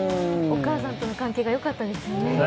お母さんとの関係がよかったですよね。